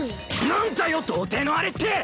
なんだよ童貞のあれって！